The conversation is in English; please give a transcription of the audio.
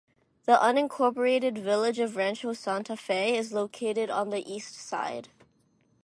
The unincorporated village of Rancho Santa Fe is located on the east side.